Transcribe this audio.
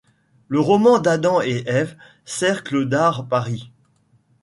Le roman d'Adam et Ève, Cercle d'Art, Paris.